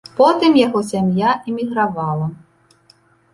Потым яго сям'я эмігравала.